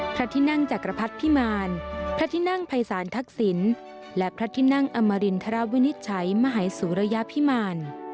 พระที่นั่งจักรพรรดิพิมารพระที่นั่งภัยศาลทักศิลป์และพระที่นั่งอมรินทรวินิจฉัยมหายสุรยาพิมาร